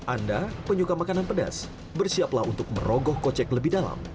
anda penyuka makanan pedas bersiaplah untuk merogoh kocek lebih dalam